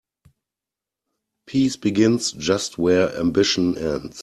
Peace begins just where ambition ends.